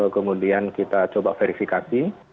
kemudian kita coba verifikasi